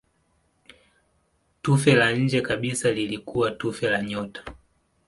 Tufe la nje kabisa lilikuwa tufe la nyota.